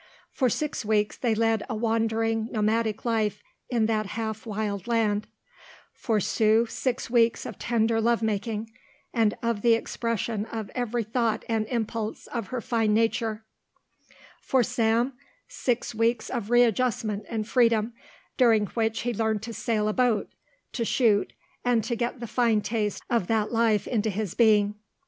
For six weeks they led a wandering, nomadic life in that half wild land, for Sue six weeks of tender love making, and of the expression of every thought and impulse of her fine nature, for Sam six weeks of readjustment and freedom, during which he learned to sail a boat, to shoot, and to get the fine taste of that life into his being.